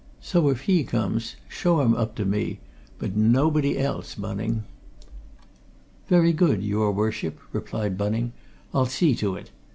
So, if he comes, show him up to me. But nobody else, Bunning." "Very good, your Worship," replied Bunning. "I'll see to it. Mr.